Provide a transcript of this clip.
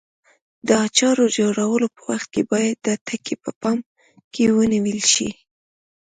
د اچارو جوړولو په وخت کې باید دا ټکي په پام کې ونیول شي.